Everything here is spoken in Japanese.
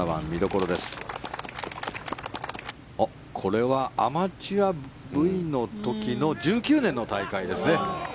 これはアマチュアＶの時の１９年の大会ですね。